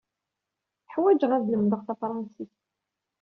Ḥwajeɣ ad lemdeɣ tafṛensist.